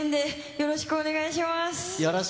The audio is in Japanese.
よろしくお願いします。